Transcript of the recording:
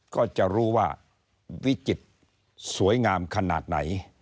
ก็จะรู้ว่าวิจิตรสวยงามขนาดไหน